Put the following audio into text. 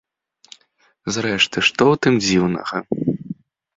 Зрэшты, што ў тым дзіўнага?